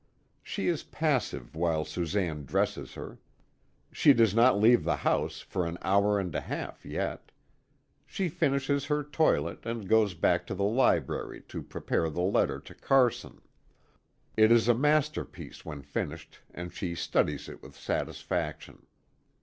She is passive while Susanne dresses her. She does not leave the house for an hour and a half yet. She finishes her toilet, and goes back to the library to prepare the letter to Carson. It is a masterpiece when finished, and she studies it with satisfaction.